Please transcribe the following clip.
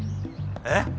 えっ！？